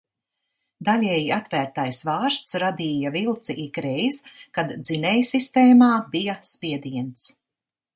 Daļēji atvērtais vārsts radīja vilci ikreiz, kad dzinējsistēmā bija spiediens.